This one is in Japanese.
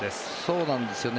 そうなんですよね。